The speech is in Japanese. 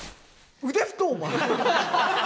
腕太っお前。